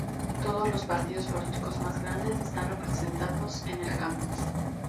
Todos los partidos políticos más grandes están representados en el campus.